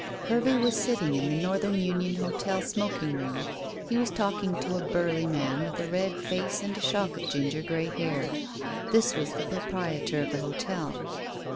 Hervey was sitting in the Northern Union Hotel smoking room. He was talking to a burly man, with a red face and a shock of ginger grey hair. This was the proprietor of the hotel.